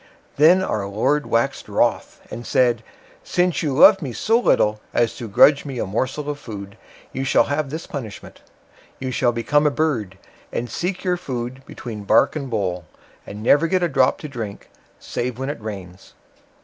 Then our Lord waxed wroth, and said: "Since you loved me so little as to grudge me a morsel of food, you shall have this punishment: you shall become a bird, and seek your food between bark and bole; and never get a drop to drink save when it rains."